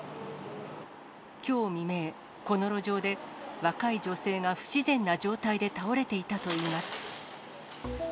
きょう未明、この路上で、若い女性が不自然な状態で倒れていたといいます。